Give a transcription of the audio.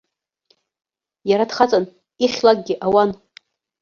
Иара дхаҵан, ихьлакгьы ауан.